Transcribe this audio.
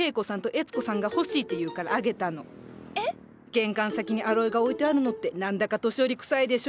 玄関先にアロエが置いてあるのって何だか年寄りくさいでしょ。